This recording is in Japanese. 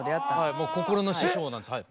もう心の師匠なんですはい。